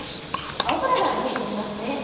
青空が見えていますね。